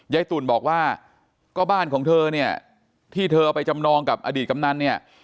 ตุ๋นบอกว่าก็บ้านของเธอเนี่ยที่เธอไปจำนองกับอดีตกำนันเนี่ย